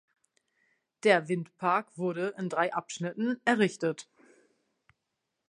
Der Windpark wurde in drei Abschnitten errichtet.